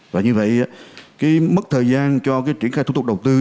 và như vậy cái mức thời gian cho cái triển khai thủ tục đầu tư